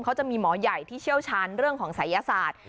เขาจะมีหมอใหญ่ที่เชี่ยวชาญเรื่องของศัยศาสตร์